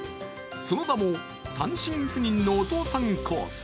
その名も単身赴任のお父さんコース。